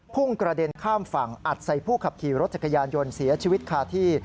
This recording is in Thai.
พุ่งกระเด็นข้ามฝั่งอัดใส่ผู้ขับขี่รถจักรยานยนต์เสียชีวิตคาที่